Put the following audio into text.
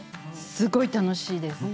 すごい楽しいです。